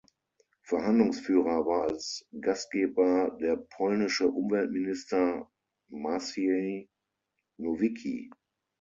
Verhandlungsführer war als Gastgeber der polnische Umweltminister Maciej Nowicki.